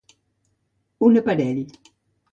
Un aparell.